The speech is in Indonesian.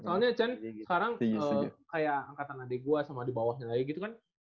soalnya chen sekarang kayak angkatan adik gue sama di bawahnya lagi gitu kan